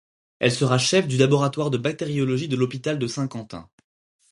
Elle sera chef du laboratoire de bactériologie de l'hôpital de Saint-Quentin.